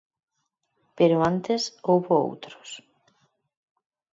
Pero antes houbo outros.